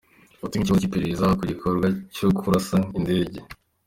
Dufate nk’ikibazo cy’iperereza ku gikorwa cyo kurasa indege.